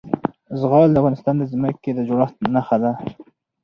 زغال د افغانستان د ځمکې د جوړښت نښه ده.